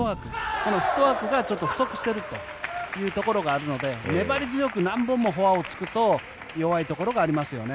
このフットワークが不足しているというところがあるので粘り強く何本もフォアを突くと弱いところがありますよね。